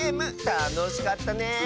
たのしかったね！